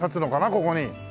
ここに。